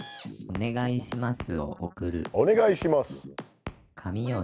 お願いします。